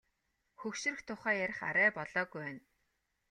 Хөгшрөх тухай ярих арай болоогүй байна.